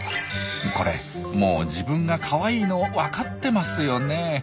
これもう自分がかわいいの分かってますよね。